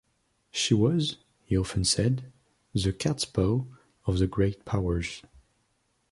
She was, he often said, the cats-paw of the Great Powers.